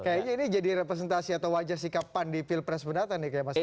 kayaknya ini jadi representasi atau wajah sikap pan di pilpres mendatang nih kayak mas